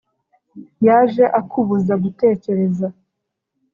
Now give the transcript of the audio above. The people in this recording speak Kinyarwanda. Yaje akubuza gutekereza